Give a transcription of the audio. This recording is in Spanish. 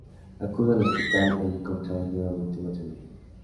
Acude al hospital y allí contraen nuevamente matrimonio.